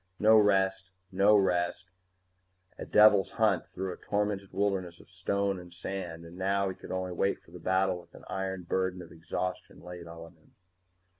No rest, no rest, a devil's hunt through a tormented wilderness of stone and sand, and now he could only wait for the battle with an iron burden of exhaustion laid on him.